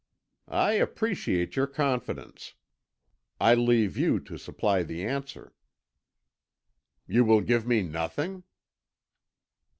"I appreciate your confidence. I leave you to supply the answer." "You will give me nothing?"